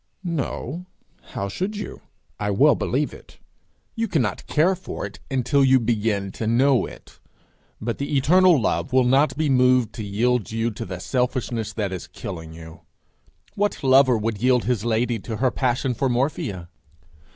No; how should you? I well believe it! You cannot care for it until you begin to know it. But the eternal love will not be moved to yield you to the selfishness that is killing you. What lover would yield his lady to her passion for morphia?